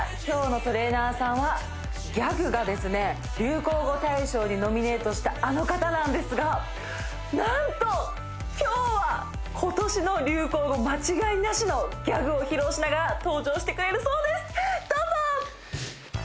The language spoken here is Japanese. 今日のトレーナーさんはギャグがですね流行語大賞にノミネートしたあの方なんですが何と今日は今年の流行語間違いなしのギャグを披露しながら登場してくれるそうですどうぞ！